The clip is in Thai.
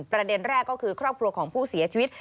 ประเด็นแรกก็คือครอบครัวของผู้เสียชีวิต